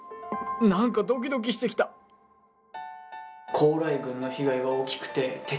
何かドキドキしてきた高麗軍の被害が大きくて撤退したんだって。